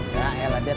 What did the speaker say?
gak elah dad